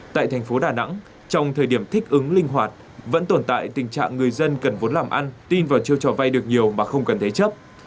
tại thành phố đà nẵng trong thời điểm thích ứng linh hoạt vẫn tồn tại tình trạng người dân cần vốn làm ăn tin vào chiều trò vay được nhiều mà không cần thế chấp